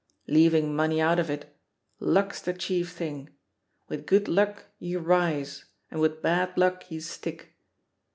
Leaving money out of it, luck's the chief thing — ^with good luck you rise, and with bad luck you stick.